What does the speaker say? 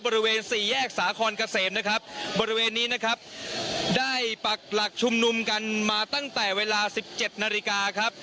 บริเวณสี่แยกสาคอนเกษมนะครับบริเวณนี้นะครับได้ปักหลักชุมนุมกันมาตั้งแต่เวลาสิบเจ็ดนาฬิกาครับ